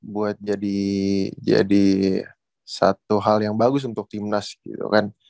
buat jadi satu hal yang bagus untuk timnas gitu kan